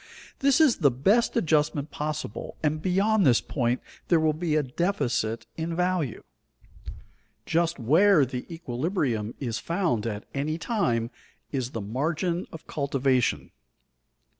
This is the best adjustment possible, and beyond this point there will be a deficit in value. Just where the equilibrium is found at any time is the margin of cultivation.